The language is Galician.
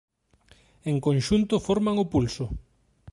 En conxunto forman o pulso.